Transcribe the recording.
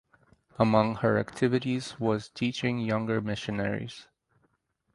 Among her activities was teaching younger missionaries.